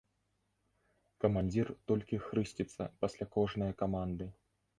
Камандзір толькі хрысціцца пасля кожнае каманды.